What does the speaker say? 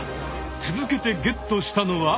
続けてゲットしたのは？